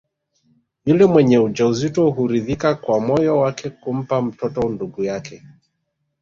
Yule mwenye ujauzito huridhika kwa moyo wake kumpa mtoto ndugu yake